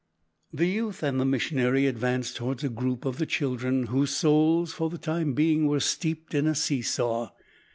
The youth and the missionary advanced towards a group of the children, whose souls, for the time being, were steeped in a see saw.